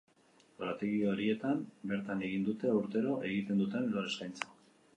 Lorategi horietan bertan egin dute urtero egiten duten lore-eskaintza.